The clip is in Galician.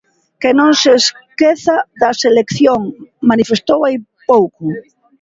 "Que non se esqueza da selección", manifestou hai pouco.